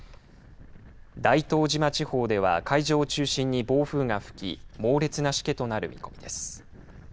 大東島地方では海上を中心に暴風が吹き猛烈なしけとなる見込みです。